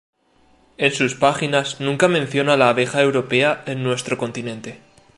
En sus páginas nunca menciona la abeja europea en nuestro continente.